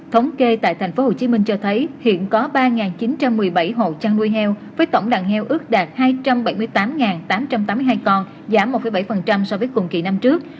thống kê tại thành phố hồ chí minh cho thấy hiện có ba chín trăm một mươi bảy hộ trăn nuôi heo với tổng đàn heo ước đạt hai trăm bảy mươi tám tám trăm tám mươi hai con giảm một bảy so với cùng kỳ năm trước